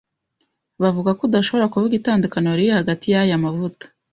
Bavuga ko udashobora kuvuga itandukaniro riri hagati yaya mavuta.